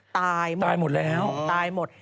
ตายหมดแล้วอ๋อตายหมด